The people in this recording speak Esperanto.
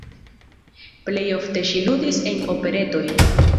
Plej ofte ŝi ludis en operetoj.